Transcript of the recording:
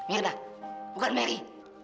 ini dia merry